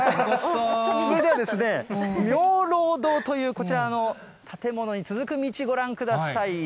それでは、妙朗堂というこちらの建物に続く道ご覧ください。